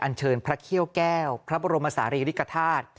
เชิญพระเขี้ยวแก้วพระบรมศาลีริกฐาตุ